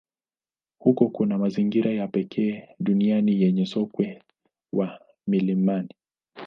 Huko kuna mazingira ya pekee duniani yenye sokwe wa milimani.